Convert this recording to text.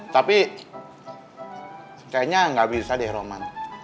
tapi kayaknya nggak bisa deh roman